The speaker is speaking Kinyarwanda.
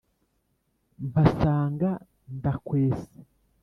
Mpasanga Ndakwesa.